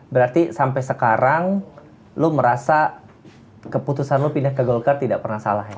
berarti sampai sekarang lu merasa keputusan lo pindah ke golkar tidak pernah salah ya